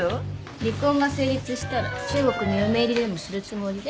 離婚が成立したら中国に嫁入りでもするつもりで？